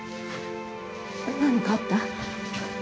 何かあった？